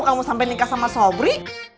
kamu sampai nikah sama sobri